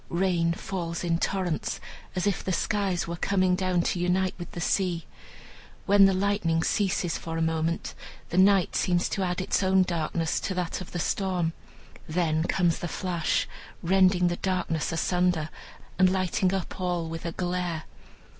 Rain falls in torrents, as if the skies were coming down to unite with the sea. When the lightning ceases for a moment, the night seems to add its own darkness to that of the storm; then comes the flash, rending the darkness asunder, and lighting up all with a glare.